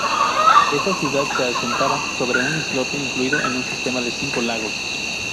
Esta ciudad se asentaba sobre un islote incluido en un sistema de cinco lagos.